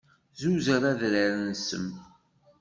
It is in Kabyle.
Zuzer adrar n ssem.